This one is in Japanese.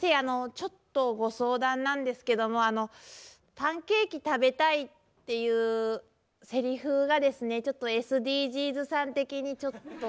ちょっとご相談なんですけども「パンケーキ食べたい」っていうセリフがですねちょっとＳＤＧｓさん的にちょっと。